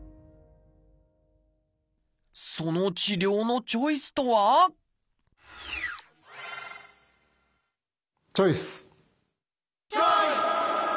その治療のチョイスとはチョイス！